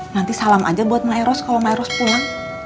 nanti salam aja buat melairos kalau melairos pulang